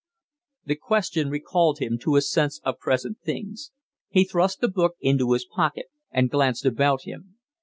The question recalled him to a sense of present things. He thrust the book into his pocket and glanced about him.